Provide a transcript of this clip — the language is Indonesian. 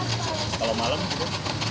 kalau malam juga